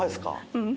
うん。